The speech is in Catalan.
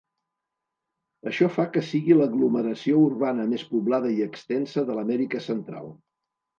Això fa que sigui l'aglomeració urbana més poblada i extensa de l'Amèrica Central.